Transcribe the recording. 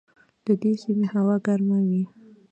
د دې سیمې هوا ګرمه وي.